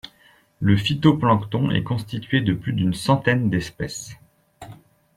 Le phytoplancton est constitué de plus d'une centaine d'espèces.